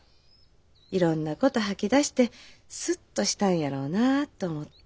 いろんなこと吐き出してスッとしたんやろうなあっと思って。